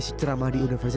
tapi saya diberi